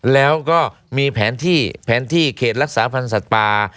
แล้วก็มีแผนที่เขตรักษาภัณฑ์สัตว์ป่า